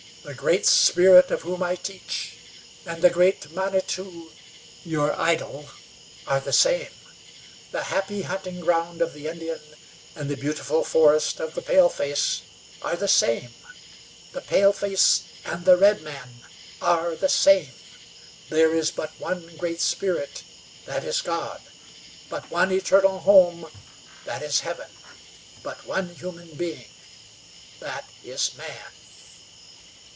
"The Great Spirit of whom I teach and the Great Manitou, your idol, are the same; the happy hunting ground of the Indian and the beautiful forest of the paleface are the same; the paleface and the redman are the same. There is but one Great Spirit, that is God; but one eternal home, that is heaven; but one human being, that is man.